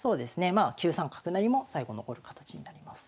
まあ９三角成も最後残る形になります。